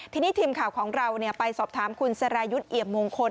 ทีนี้ทีมข่าวของเราไปสอบถามคุณสรายุทธ์เอี่ยมมงคล